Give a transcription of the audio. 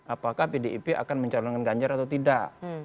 apakah pdip akan mencalonkan ganjar atau tidak